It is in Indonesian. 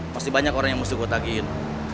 masih banyak orang yang mesti gue tagiin